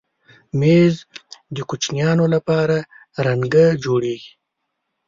مېز د کوچنیانو لپاره رنګه جوړېږي.